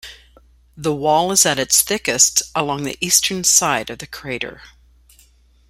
The wall is at its thickest along the eastern side of the crater.